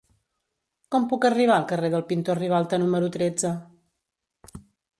Com puc arribar al carrer del Pintor Ribalta número tretze?